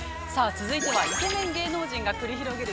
続いてはイケメン芸能人が繰り広げる